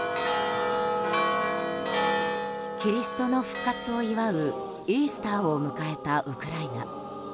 キリストの復活を祝うイースターを迎えたウクライナ。